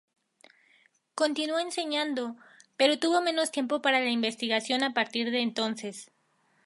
Continuó enseñando, pero tuvo menos tiempo para la investigación a partir de entonces.